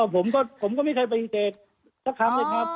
ผมก็ไม่ใช่บริเศษสักครั้งเลยครับ